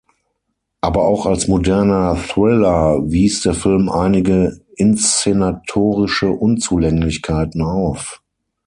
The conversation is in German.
Aber auch als moderner Thriller wies der Film einige inszenatorische Unzulänglichkeiten auf.